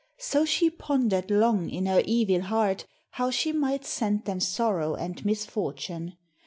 So she pondered long in her evil heart, how she might send them sorrow and misfortune.